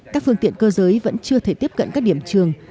các phương tiện cơ giới vẫn chưa thể tiếp cận các điểm trường